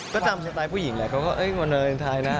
ก็จำสไตล์ผู้หญิงแหละเขาก็ว่าวันอันทรายนะ